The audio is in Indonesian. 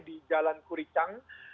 di jalan kuricang